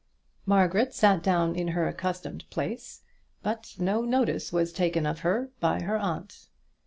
Margaret sat down in her accustomed place, but no notice was taken of her by her aunt.